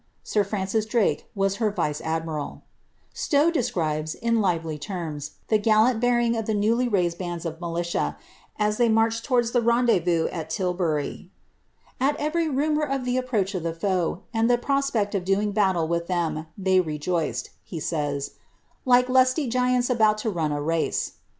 Sir Francis Drake was her rice admiraL M>we describes, in lively terms, the gallant bearing of the newly d bands of militia, as they marched towards the rendezvous at Til ^ ^At every rumour of the approach of the foe, and the prospect loing battle with them, they rejoiced,'' he says, ^ like lusty giants It to run a race."